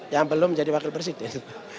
yang belum menjadi wakil presiden